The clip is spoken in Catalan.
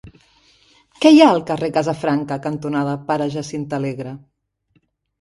Què hi ha al carrer Casafranca cantonada Pare Jacint Alegre?